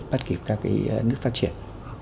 bắt kịp các cái nước phát triển